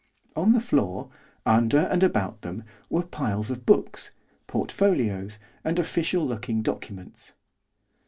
On the floor, under and about them, were piles of books, portfolios, and official looking documents.